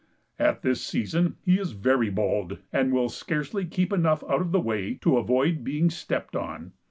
At this season he is very bold, and will scarcely keep enough out of the way to avoid being stepped on.